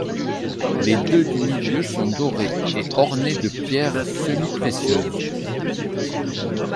Les deux du milieu sont dorés et ornés de pierres semi-précieuses.